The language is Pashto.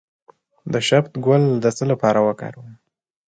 د شبت ګل د څه لپاره وکاروم؟